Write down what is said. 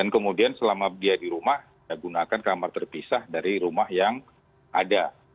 kemudian selama dia di rumah gunakan kamar terpisah dari rumah yang ada